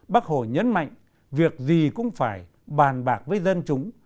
bác hồ nhấn mạnh việc gì cũng phải bàn bạc với dân chúng